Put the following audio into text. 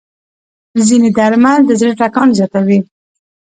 ځینې درمل د زړه ټکان زیاتوي.